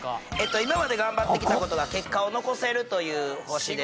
今まで頑張ってきたことが結果を残せるという星です